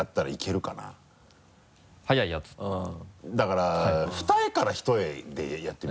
だから二重から一重でやってみる？